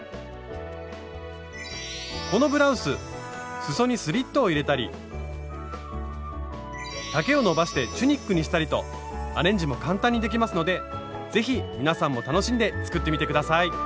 このブラウスすそにスリットを入れたり丈をのばしてチュニックにしたりとアレンジも簡単にできますので是非皆さんも楽しんで作ってみて下さい。